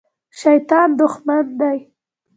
شیطان دښمن دی